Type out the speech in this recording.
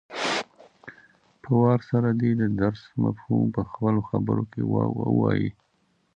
په وار سره دې د درس مفهوم په خپلو خبرو کې ووايي.